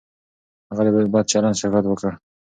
هغه د بد چلند شکایت وکړ.